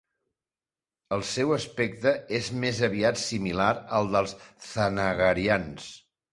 El seu aspecte és més aviat similar al dels Thanagarians.